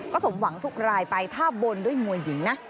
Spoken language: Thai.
สมหวังทุกรายไปถ้าบนด้วยมวยหญิงนะ